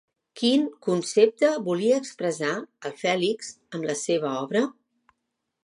Quin concepte volia expressar el Fèlix amb la seva obra?